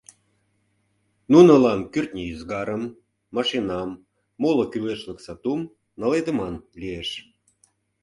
Нунылан кӱртньӧ ӱзгарым, машинам, моло кӱлешлык сатум наледыман лиеш.